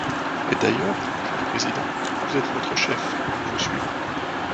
Et, d'ailleurs, mon cher président, vous êtes notre chef, nous vous suivrons.